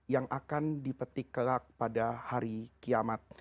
yang akan dipetik kelak pada hari kiamat